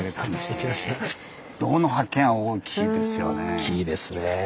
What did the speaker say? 大きいですね。